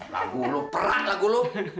lagu lu perang lagu lu